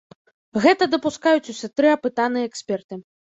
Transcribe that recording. Гэта дапускаюць усе тры апытаныя эксперты.